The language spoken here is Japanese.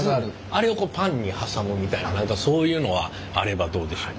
あれをパンに挟むみたいなそういうのはあればどうでしょう？